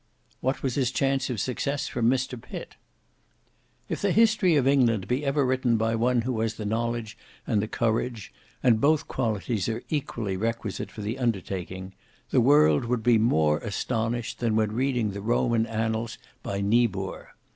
What was his chance of success from Mr Pitt? If the history of England be ever written by one who has the knowledge and the courage, and both qualities are equally requisite for the undertaking, the world would be more astonished than when reading the Roman annals by Niebuhr.